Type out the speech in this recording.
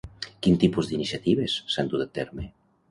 Quin tipus d'iniciatives s'han dut a terme?